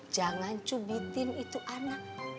jangan cubitin itu anak